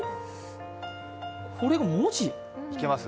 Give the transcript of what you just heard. これが文字？